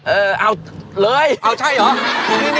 เออเอาเลยเอาใช่เหรอ